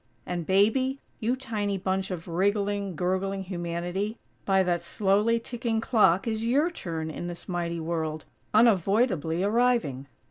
And Baby, you tiny bunch of wriggling, gurgling humanity, by that slowly ticking clock is your turn in this mighty World, unavoidably arriving.